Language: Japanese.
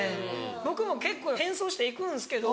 僕も結構変装して行くんですけど。